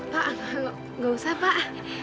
pak nggak usah pak